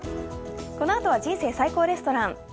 このあとは「人生最高レストラン」。